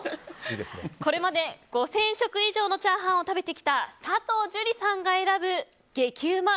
これまで５０００食以上のチャーハンを食べてきた佐藤樹里さんが選ぶ激うま！